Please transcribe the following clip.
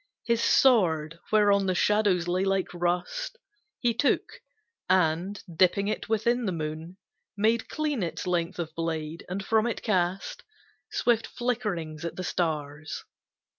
His sword, whereon the shadows lay like rust He took, and dipping it within the moon, Made clean its length of blade, and from it cast Swift flickerings at the stars.